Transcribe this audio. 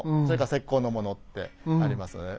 それから石こうのものってあります。